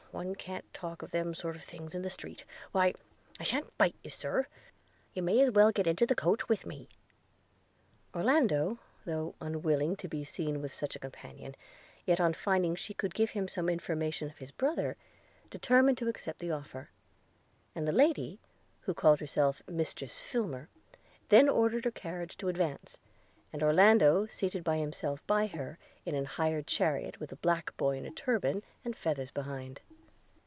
one can't talk of them sort of things in the street – why, I sha'n't bite you, Sir – you may as well get into the coach with me.' Orlando, though unwilling to be seen with such a companion, yet on finding she could give him some information of his brother, determined to accept the offer; and the lady, who called herself Mistress Filmer, then ordered her carriage to advance: and Orlando seated himself by her, in an hired chariot with a black boy in a turban and feathers behind.